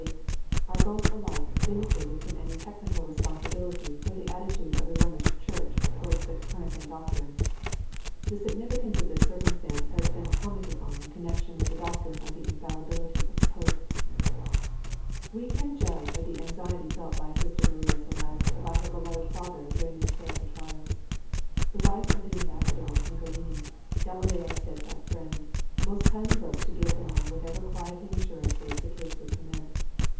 are both alike vindicated from any technical responsibility for the attitude of the Romish Church towards the Copernican doctrines. The significance of this circumstance has been commented on in connection with the doctrine of the infallibility of the Pope. We can judge of the anxiety felt by Sister Maria Celeste about her beloved father during these terrible trials. The wife of the ambassador Niccolini, Galileo's steadfast friend, most kindly wrote to give the nun whatever quieting assurances the case would permit.